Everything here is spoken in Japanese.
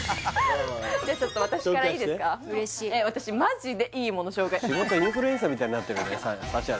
じゃあちょっと私からいいですか紹介して私マジでいいもの紹介仕事インフルエンサーみたいになってる指原